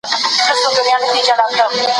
لويديځوالو په چين کي د پرمختګ بنسټونه ايښي وو.